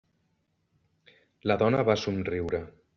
La dona va somriure.